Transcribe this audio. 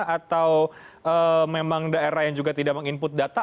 atau memang daerah yang juga tidak meng input data